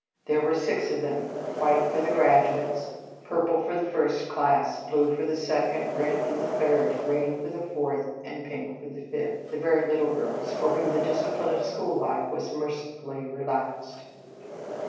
There were six of them: white for the graduates, purple for the first class, blue for the second, red for the third, green for the fourth, and pink for the fifth, the very little girls, for whom the dis cipline of school life was mercifully relaxed.